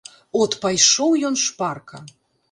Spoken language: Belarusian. От пайшоў ён шпарка.